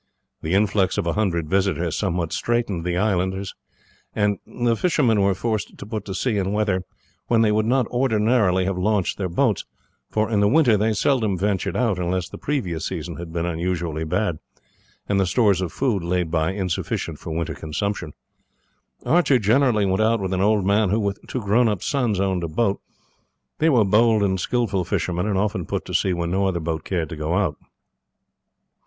The influx of a hundred visitors had somewhat straitened the islanders, and the fishermen were forced to put to sea in weather when they would not ordinarily have launched their boats, for in the winter they seldom ventured out unless the previous season had been unusually bad, and the stores of food laid by insufficient for winter consumption. Archie generally went out with an old man, who with two grownup sons owned a boat. They were bold and skilful fishermen, and often put to sea when no other boat cared to go out.